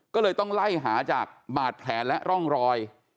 ก็เลยต้องไล่หาจากบาดแผลและร่องรอย